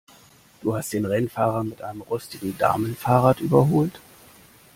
Du hast den Rennfahrer mit einem rostigen Damenfahrrad überholt?